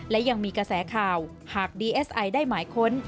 และยังมีกระแสข่าวหากดีเอสไอได้หมายค้น